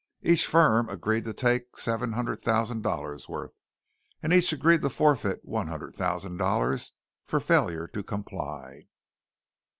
Each firm agreed to take seven hundred thousand dollars' worth; and each agreed to forfeit one hundred thousand dollars for failure to comply.